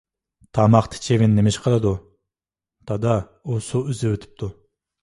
_ تاماقتا چىۋىن نېمىش قىلدۇ؟ _ دادا، ئۇ سۇ ئۈزۈۋېتىپتۇ.